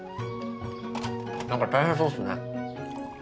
何か大変そうっすね。